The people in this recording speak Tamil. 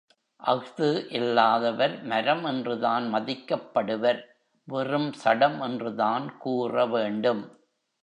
அஃது இல்லாதவர் மரம் என்றுதான் மதிக்கப்படுவர் வெறும் சடம் என்றுதான் கூறவேண்டும்.